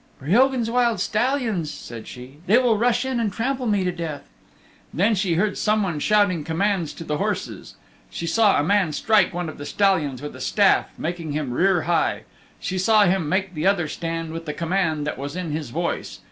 "Breogan's wild stallions," said she, "they will rush in and trample me to death." Then she heard someone shouting commands to the horses. She saw a man strike one of the stallions with a staff, making him rear high. She saw him make the other stand with the command that was in his voice.